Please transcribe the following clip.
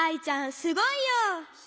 すごいよ！